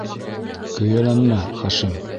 - Көйәләнмә, Хашим.